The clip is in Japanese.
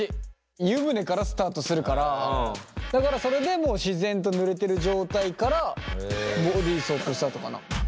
湯船からスタートするからだからそれでもう自然とぬれてる状態からボディーソープスタートかな。